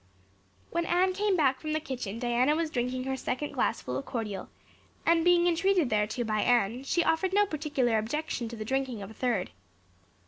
When Anne came back from the kitchen Diana was drinking her second glassful of cordial; and, being entreated thereto by Anne, she offered no particular objection to the drinking of a third.